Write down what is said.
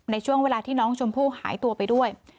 ในช่วงเวลาที่น้องชมพู่หายตัวไปด้วย